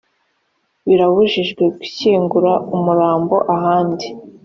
birabujijwe gushyingura umurambo ahandi